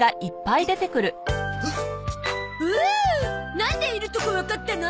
なんでいるとこわかったの？